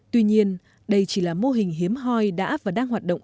tuy nhiên đây chỉ là mô hình hiếm hoi đã và đang hoạt động